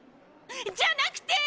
じゃなくて！